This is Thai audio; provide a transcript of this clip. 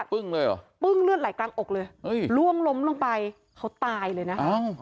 เลยเหรอปึ้งเลือดไหลกลางอกเลยล่วงล้มลงไปเขาตายเลยนะคะ